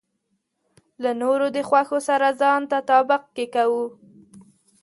له نورو د خوښو سره ځان تطابق کې کوو.